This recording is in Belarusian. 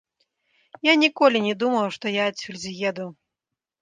Я ніколі не думаў, што я адсюль з'еду.